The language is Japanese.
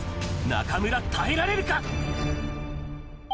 中村、耐えられるか？